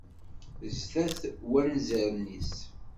Zdat wanzaren-is.